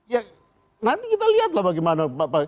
ya nanti kita lihat lah bagaimana pak